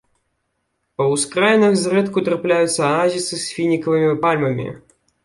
Па ўскраінах зрэдку трапляюцца аазісы з фінікавымі пальмамі.